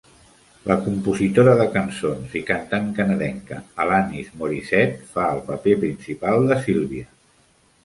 La compositora de cançons i cantant canadenca Alanis Morissette fa el paper principal de Sylvia.